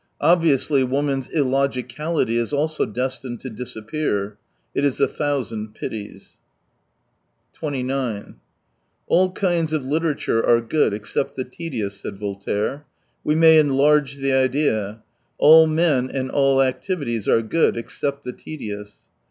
Obviously woman's illogicality is also destined to disappear. It is a thou sand pities. 29 All kinds of literature are good, except the tedious, said Voltaire. We may en large the. idea. All men and all activities are good, except the tedious.